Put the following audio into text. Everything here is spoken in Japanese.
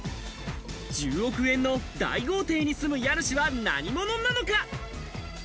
１０億円の大豪邸に住む家主は何者なのか？